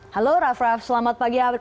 halo raff raff selamat pagi